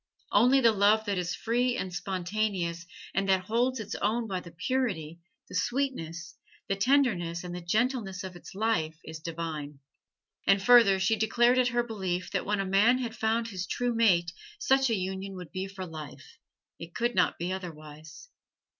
Only the love that is free and spontaneous and that holds its own by the purity, the sweetness, the tenderness and the gentleness of its life is divine. And further, she declared it her belief that when a man had found his true mate such a union would be for life it could not be otherwise.